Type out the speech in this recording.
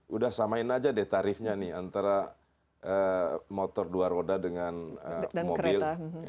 sudah samain saja tarifnya nih antara motor dua roda dengan mobil